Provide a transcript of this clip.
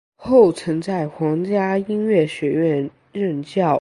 后曾在皇家音乐学院任教。